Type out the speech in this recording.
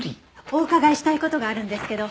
お伺いしたい事があるんですけど。